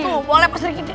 tuh boleh pak srik giti